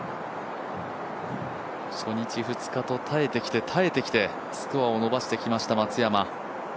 初日、２日と耐えてきて耐えてきてスコアを伸ばしてきました松山。